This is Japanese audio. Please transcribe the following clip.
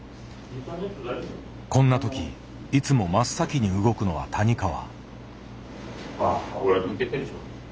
こんな時いつも真っ先に動くのは谷川。